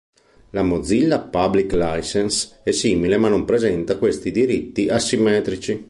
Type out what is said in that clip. La Mozilla Public License è simile, ma non presenta questi diritti asimmetrici.